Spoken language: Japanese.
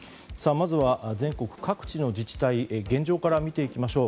まずは全国各地の自治体の現状から見ていきましょう。